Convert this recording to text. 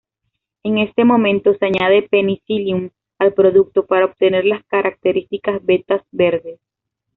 En este momento se añade "Penicillium" al producto, para obtener las características vetas verdes.